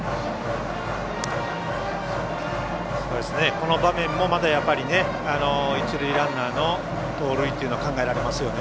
この場面もやっぱり一塁ランナーの盗塁というのは考えられますよね。